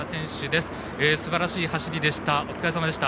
すばらしい走りでした。